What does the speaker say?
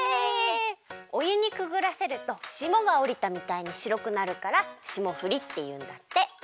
おゆにくぐらせるとしもがおりたみたいにしろくなるからしもふりっていうんだって。